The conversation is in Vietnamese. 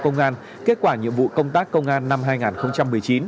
công an năm hai nghìn một mươi chín